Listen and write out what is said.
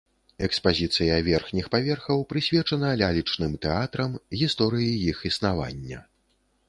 Экспазіцыя верхніх паверхаў прысвечана лялечным тэатрам, гісторыі іх існавання.